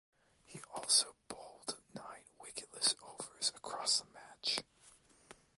He also bowled nine wicketless overs across the match.